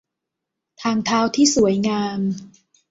ทางเท้าที่สวยงาม